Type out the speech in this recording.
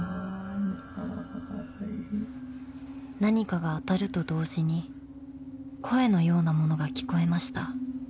［何かが当たると同時に声のようなものが聞こえました］